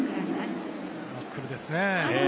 ナックルですね。